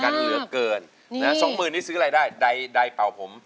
กันเหลือเกิน๒หมื่นนี่ซื้ออะไรได้ได้เป่าผม